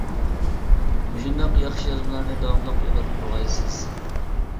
مۇشۇنداق ياخشى يازمىلارنى داۋاملىق يوللاپ تۇرغايسىز.